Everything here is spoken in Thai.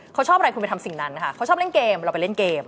เขาชอบอะไรคุณไปทำสิ่งนั้นค่ะเขาชอบเล่นเกมเราไปเล่นเกม